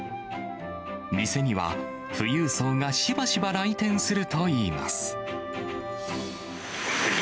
店には富裕層がしばしば来店するといいます。